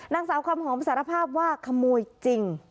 นางสาวคำหอมสารภาพว่าขโมยจริง